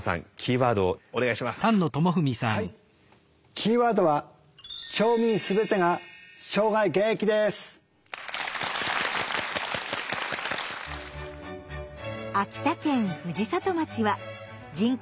キーワードは秋田県藤里町は人口